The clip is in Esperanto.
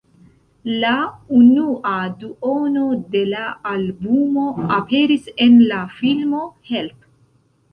La unua duono de la albumo aperis en la filmo "Help!